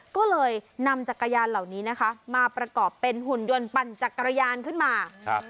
ก็เลยนำจักรยานเหล่านี้นะคะมาประกอบเป็นหุ่นยนต์ปั่นจักรยานขึ้นมา